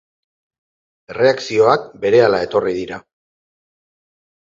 Erreakzioak berehala etorri dira.